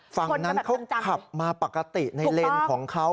ฝั่งนั้นเขาขับมาปกติในเลนของเขา